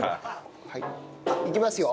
いきますよ。